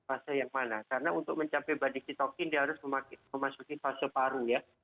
karena untuk mencapai badai sitokin dia harus memasuki fase paru ya